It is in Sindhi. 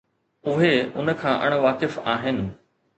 اهي ان کان اڻ واقف آهن.